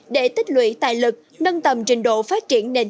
để tích lũy tài lực nâng tầm trình độ phát triển nền